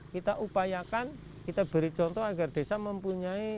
kita upayakan kita beri contoh agar desa mempunyai